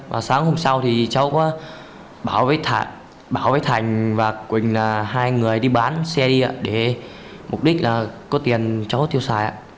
và sáng hôm sau thì cháu bảo với thành và quỳnh là hai người đi bán xe đi ạ để mục đích là có tiền cháu tiêu xài ạ